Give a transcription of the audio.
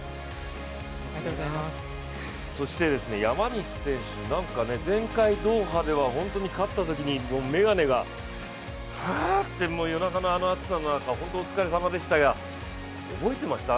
山西選手、前回ドーハでは本当に勝ったときに眼鏡がふわっと夜中のあの暑さの中、ホントお疲れさまでしたが、覚えてました？